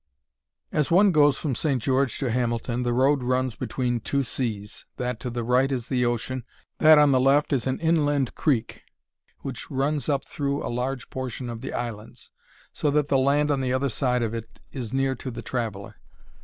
As one goes from St. George to Hamilton the road runs between two seas; that to the right is the ocean; that on the left is an inland creek, which runs up through a large portion of the islands, so that the land on the other side of it is near to the traveller.